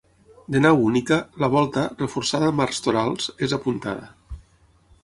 De nau única, la volta, reforçada amb arcs torals, és apuntada.